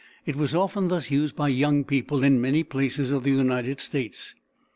It was often thus used by young people in many places of the United States.